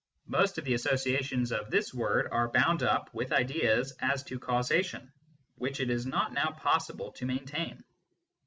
Most of the associations of this word are bound up with ideas as to causation which it is not now possible to maintain.